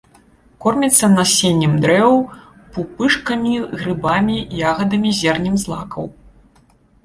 Кормяцца насеннем дрэў, пупышкамі, грыбамі, ягадамі, зернем злакаў.